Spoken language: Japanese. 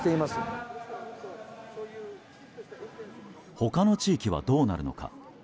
他の地域は、どうなるのか。